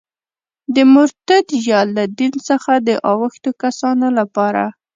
د مرتد یا له دین څخه د اوښتو کسانو لپاره.